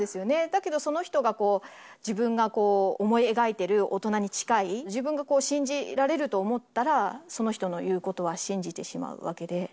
だけどその人が自分が思い描いている大人に近い、自分が信じられると思ったら、その人の言うことは信じてしまうわけで。